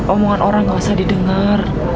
omongan orang gak usah didengar